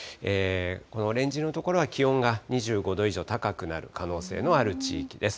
このオレンジ色の所は気温が２５度以上、高くなる可能性のある地域です。